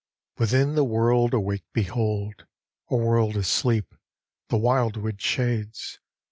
XI Within the world awake behold A world asleep ... the wildwood shades!